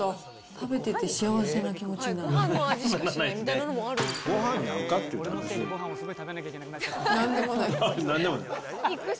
食べてて幸せな気持ちにならない。